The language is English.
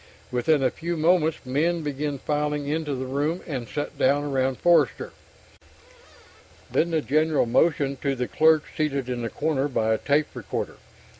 Within a few moments men began filing into the room, and sat down around Forster. Then the general motioned to the clerk seated in the corner by a tape recorder.